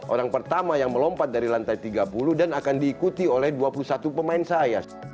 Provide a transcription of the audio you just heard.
orang pertama yang melompat dari lantai tiga puluh dan akan diikuti oleh dua puluh satu pemain saya